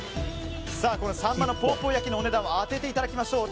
このさんまのポーポー焼きのお値段を当てていただきましょう。